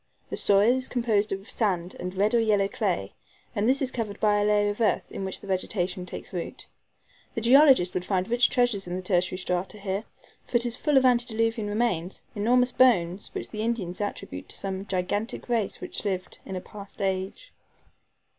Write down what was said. The soil is composed of sand and red or yellow clay, and this is covered by a layer of earth, in which the vegetation takes root. The geologist would find rich treasures in the tertiary strata here, for it is full of antediluvian remains enormous bones, which the Indians attribute to some gigantic race that lived in a past age.